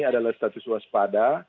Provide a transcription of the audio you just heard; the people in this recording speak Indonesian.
adalah status waspada